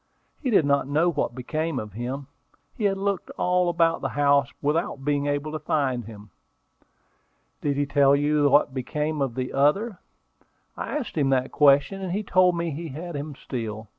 He did not know what became of him. He had looked all about the house without being able to find him." "Did he tell you what became of the other?" "I asked him that question, and he told me he had him still.